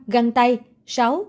năm găng cơm